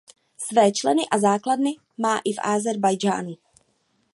Své členy a základny má i v Ázerbájdžánu.